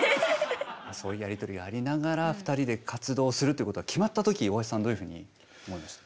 そういうやり取りがありながら２人で活動するっていうことが決まった時大橋さんどういうふうに思いました？